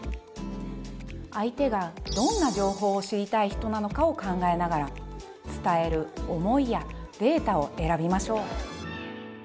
相手がどんな情報を知りたい人なのかを考えながら伝える「思い」や「データ」を選びましょう。